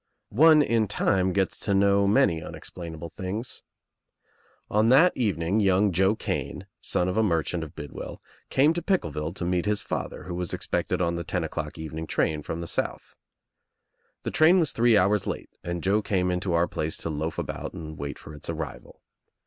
One in time gets to know many unexplalnable things. On that evening young Joe Kane, son of a merchant of Bidwell, came to Piekleville to meet his father, who was expected on the ten o'clock evening train from the South, The train was three hours late and Joe came into our place to loaf about and to wait for its arrival.